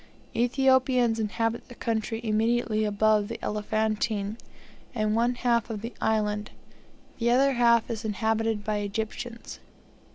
Ethiopians inhabit the country immediately above Elephantine, and one half of the island; the other half is inhabited by Egyptians.